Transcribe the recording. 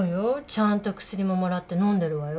ちゃんと薬ももらってのんでるわよ。